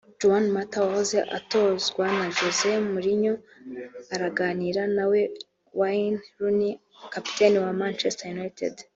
Juan Mata wahoze atozwa na Jose Mourinho araganira na Wayne Rooney kapiteni wa Manchetser United